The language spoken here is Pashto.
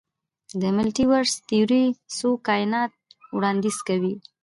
د ملټي ورس تیوري څو کائنات وړاندیز کوي.